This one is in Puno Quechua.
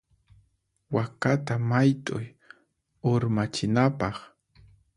Wakata mayt'uy urmachinapaq.